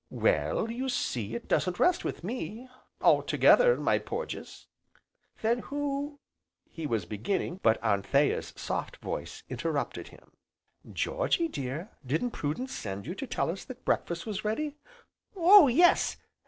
"Well, you see, it doesn't rest with me altogether, my Porges." "Then who " he was beginning, but Anthea's soft voice interrupted him. "Georgy dear, didn't Prudence send you to tell us that breakfast was ready?" "Oh yes!